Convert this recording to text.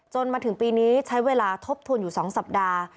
มาถึงปีนี้ใช้เวลาทบทวนอยู่๒สัปดาห์